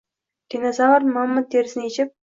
Dinozavr, mamont terisin yechib